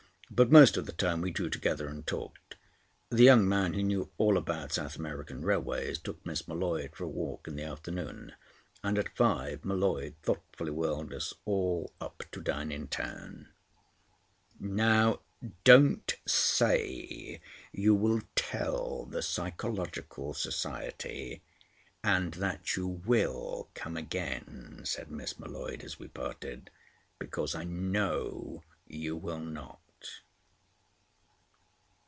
But most of the time we drew together and talked. The young man who knew all about South American railways took Miss M'Leod for a walk in the afternoon, and at five M'Leod thoughtfully whirled us all up to dine in town. "Now, don't say you will tell the Psychological Society, and that you will come again," said Miss M'Leod, as we parted. "Because I know you will not."